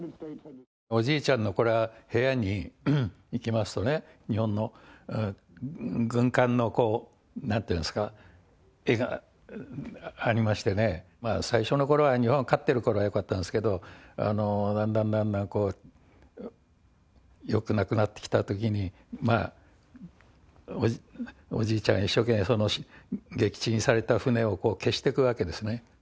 おじいちゃんの部屋に行きますと、日本の軍艦の、なんていうんですか、絵がありましてね、最初のころは、日本が勝ってるころはよかったんですけど、だんだんだんだんよくなくなってきたときに、おじいちゃんが一生懸命、その撃沈された船を消していくわけですね。